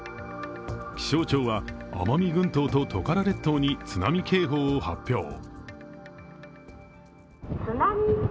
気象庁は奄美群島とトカラ列島に津波警報を発表。